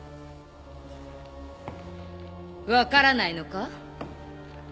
分からないのか？